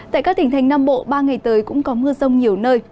tại các tỉnh thành nam bộ ba ngày tới cũng có mưa rông nhiều nơi